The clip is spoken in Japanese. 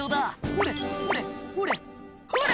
「ほれほれほれほれ！」